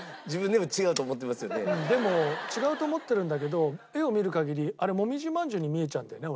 でも違うと思ってるんだけど画を見る限りあれもみじ饅頭に見えちゃうんだよね俺。